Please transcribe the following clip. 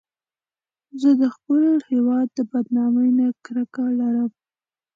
زه د خپل هېواد د بدنامۍ نه کرکه لرم